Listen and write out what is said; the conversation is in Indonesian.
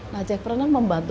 nah jackpreneur membantu